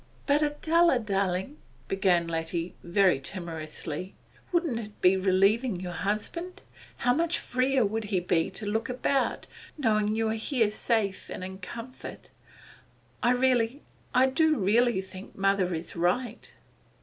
'But, Adela darling,' began Letty, very timorously, 'wouldn't it be relieving your husband? How much freer he would be to look about, knowing you are here safe and in comfort. I really I do really think mother is right.